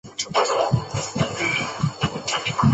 黄猄草为爵床科马蓝属的植物。